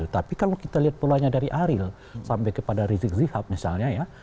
tapi kalau kita lihat polanya dari ariel sampai kepada rizik sihab misalnya ya